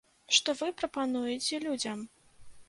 Што вы прапануеце людзям?